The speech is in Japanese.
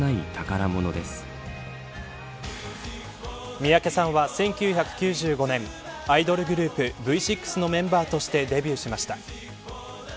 三宅さんは１９９５年アイドルグループＶ６のメンバーとしてデビューしました。